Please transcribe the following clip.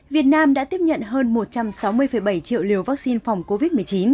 việt nam đã tiếp nhận hơn một trăm sáu mươi bảy triệu liều vaccine phòng covid một mươi chín